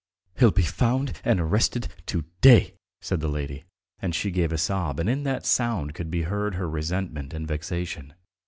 "He'll be found and arrested to day," said the lady, and she gave a sob, and in that sound could be heard her resentment and vexation.